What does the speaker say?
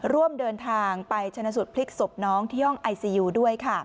ร่วมเดินทางไปชนะสูตรพลิกศพน้องที่ห้องไอซียูด้วยค่ะ